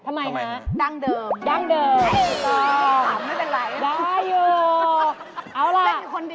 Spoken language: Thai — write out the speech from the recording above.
ทำไมคะดั้งเดิมดั้งเดิมคือสบายมันไม่เป็นไร